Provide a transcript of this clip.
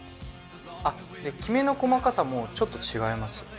あっキメの細かさもちょっと違います。